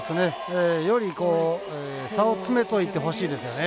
より差を詰めといてほしいですよね。